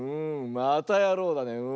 またやろうだねうん。